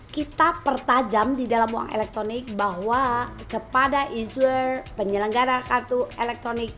kita pertajam di dalam uang elektronik bahwa kepada east penyelenggara kartu elektronik